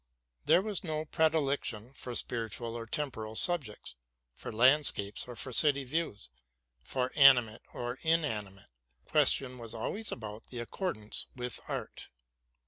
There was no predilection for spiritual or temporal subjects, for landscape or for city views, for animate or inanimate: the question was always about the accordance with art.